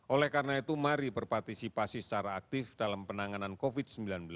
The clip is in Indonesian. oleh karena itu mari berpartisipasi secara aktif dalam penanganan covid sembilan belas